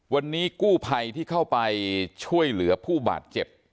วันนี้กู้ภัยที่เข้าไปช่วยเหลือผู้บาดเจ็บ